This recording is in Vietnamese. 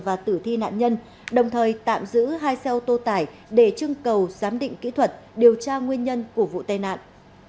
và tử thi nạn nhân đồng thời tạm giữ hai xe ô tô tải để trưng cầu giám định kỹ thuật điều tra nguyên nhân của vụ tai nạn